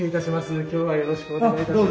今日はよろしくお願いいたします。